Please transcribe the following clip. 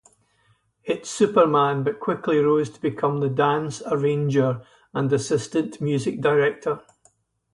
It's Superman but quickly rose to become the dance arranger and assistant music director.